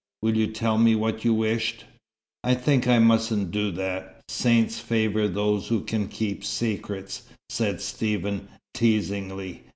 Will you tell me what you wished?" "I think I mustn't do that. Saints favour those who can keep secrets," said Stephen, teasingly.